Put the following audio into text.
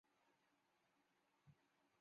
仅供存储一般保税货物。